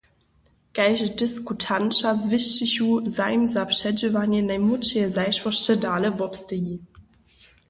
Kaž diskutanća zwěsćichu, zajim za předźěłanje najmłódšeje zašłosće dale wobsteji.